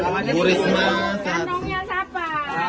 kalau ada siapa kantongnya siapa